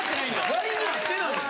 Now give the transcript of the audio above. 割に合ってないんです。